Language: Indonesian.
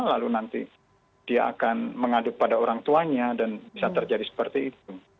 lalu nanti dia akan mengaduk pada orang tuanya dan bisa terjadi seperti itu